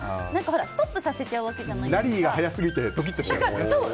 ストップさせちゃうわけじゃないですか。